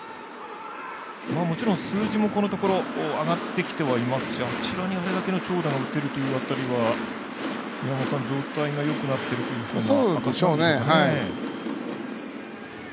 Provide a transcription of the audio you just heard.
もちろん数字も、このところ上がってきてはいますしあちらにあれだけの長打が打てるという辺りは状態がよくなってるという証しなんでしょうかね。